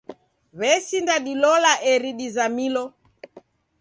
W'esinda dilola eri dizamilo.